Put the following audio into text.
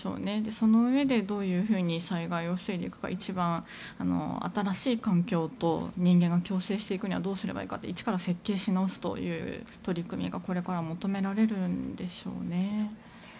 そのうえでどういうふうに災害を防いでいくか一番、新しい環境と人間が共生していくにはどうすればいいか一から設計し直すという取り組みがこれから求められるんでしょうね。